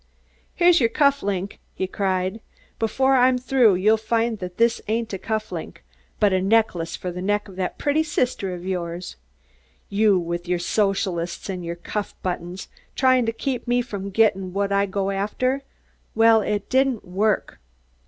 "Here's your cuff link," he cried. "Before I'm through you'll find that this ain't a cuff link, but a necklace for the neck of that pretty sister of yours. You, with your Socialists and your cuff buttons, tryin' to keep me from gettin' what I go after. Well, it didn't work!